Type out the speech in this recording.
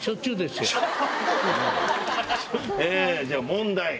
じゃあ問題。